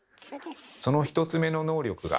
その１つ目の能力が